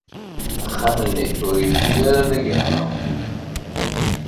Axxam-nni ur yelli ara d agermaw.